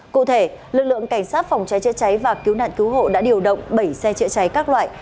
cụ thể lực lượng cảnh sát phòng cháy chữa cháy và cứu nạn cứu hộ đã điều động bảy xe chữa cháy các loại